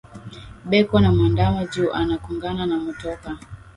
Beko na mwandama ju ana kongana na motoka